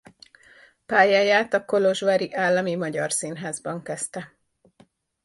Pályáját a Kolozsvári Állami Magyar Színházban kezdte.